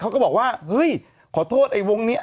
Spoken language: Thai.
เขาก็บอกว่าเฮ้ยขอโทษไอ้วงนี้